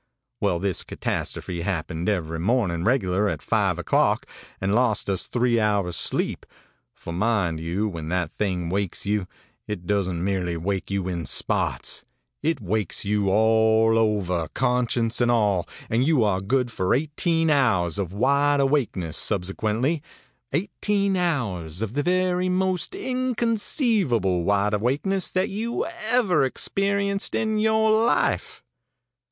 Well, this catastrophe happened every morning regularly at five o'clock, and lost us three hours sleep; for, mind you, when that thing wakes you, it doesn't merely wake you in spots; it wakes you all over, conscience and all, and you are good for eighteen hours of wide awakeness subsequently eighteen hours of the very most inconceivable wide awakeness that you ever experienced in your life.